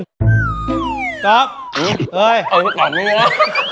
สับเอ้ยเอาข้างนี้เลยจังปากเลยเป็นยังไงวะ